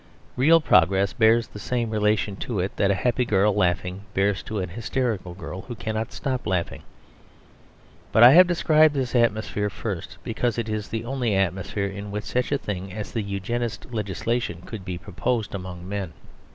Real progress bears the same relation to it that a happy girl laughing bears to an hysterical girl who cannot stop laughing. But I have described this atmosphere first because it is the only atmosphere in which such a thing as the Eugenist legislation could be proposed among men.